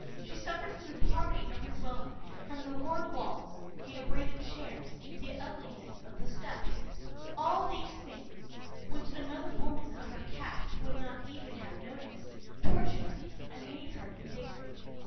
She suffered from the poverty of her dwelling, from the worn walls, the abraded chairs, the ugliness of the stuffs. All these things, which another woman of her caste would not even have noticed, tortured her and made her indignant.